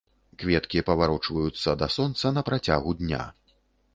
Кветкі паварочваюцца да сонца на працягу дня.